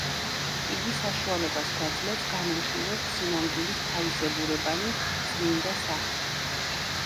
იგი საშუალებას გვაძლევს განვიხილოთ სინამდვილის თავისებურებანი „წმინდა სახით“.